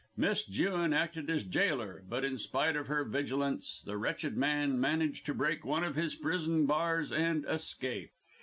Miss Jewin acted as gaoler, but in spite of her vigilance the wretched man managed to break one of his prison bars and escape.